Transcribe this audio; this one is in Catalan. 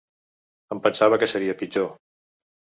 Em pensava que seria pitjor.